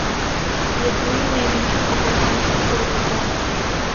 Je druhým nejmenším okresem v Korutanech.